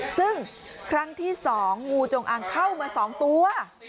ซึ่งครั้งที่๒งูจงอางเข้ามา๒ตัว